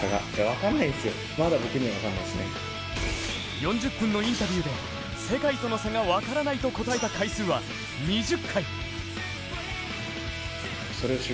４０分のインタビューで世界との差が分からないと答えた回数は２０回。